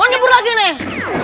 oh nyembuh lagi nih